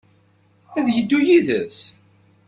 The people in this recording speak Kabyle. Ad d-yeddu yid-s?